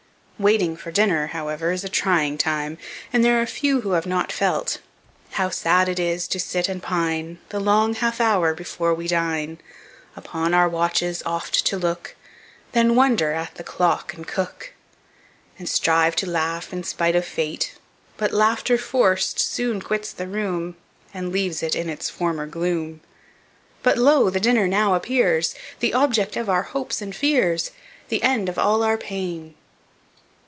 "Waiting for Dinner," however, is a trying time, and there are few who have not felt "How sad it is to sit and pine, The long half hour before we dine! Upon our watches oft to look, Then wonder at the clock and cook, "And strive to laugh in spite of Fate! But laughter forced soon quits the room, And leaves it in its former gloom. But lo! the dinner now appears, The object of our hopes and fears, The end of all our pain!"